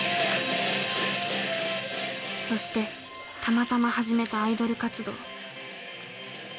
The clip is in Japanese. そしてたまたま始めたアイドル活動。